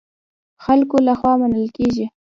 خلکو له خوا منل کېږي.